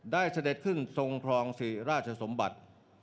ได้เสด็จขึ้นทรงพรองสิราชสมบัติ